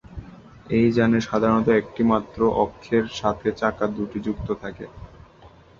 এই যানে সাধারণত একটি মাত্র অক্ষের সাথে চাকা দুটি যুক্ত থাকে।